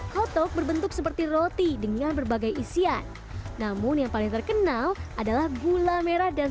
hotdog berbentuk seperti roti dengan berbagai isian namun yang paling terkenal adalah gula merah dan